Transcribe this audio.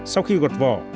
sau khi gọt vỏ